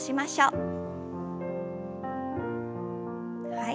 はい。